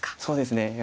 そうですね。